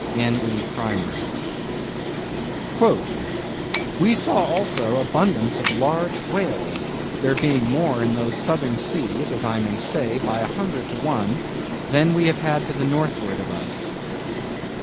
—N. E. Primer. "We saw also abundance of large whales, there being more in those southern seas, as I may say, by a hundred to one; than we have to the northward of us."